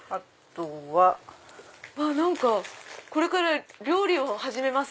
何かこれから料理を始めます！